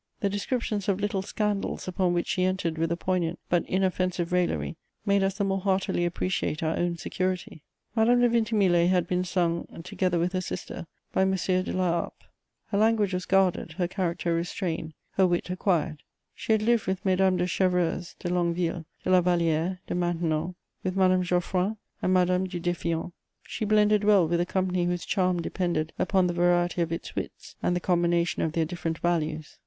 The descriptions of little scandals upon which she entered with a poignant but inoffensive raillery made us the more heartily appreciate our own security. Madame de Vintimille had been sung, together with her sister, by M. de La Harpe. Her language was guarded, her character restrained, her wit acquired; she had lived with Mesdames de Chevreuse, de Longueville, de La Vallière, de Maintenon, with Madame Geoffrin and Madame du Defiant. She blended well with a company whose charm depended upon the variety of its wits and the combination of their different values.